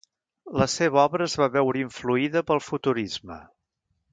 La seva obra es va veure influïda pel futurisme.